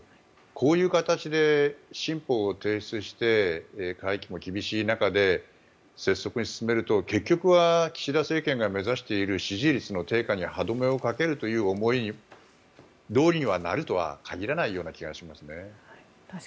こういう形で新法を提出して会期も厳しい中で拙速に進めると結局は岸田政権が目指している支持率の低下に歯止めをかけるという思いどおりになるとは確かにそうですね。